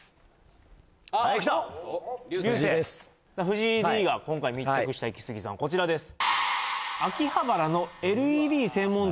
藤井Ｄが今回密着したイキスギさんはこちらです